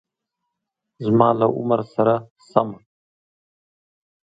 زما له عمر سره سمه